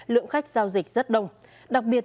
lượng khách giao dịch rất đông đặc biệt